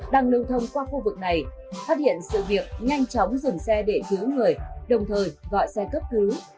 đang lưu thông qua khu vực này phát hiện sự việc nhanh chóng dừng xe để cứu người đồng thời gọi xe cấp cứu